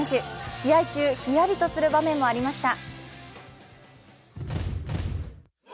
試合中、ひやりとする場面もありました。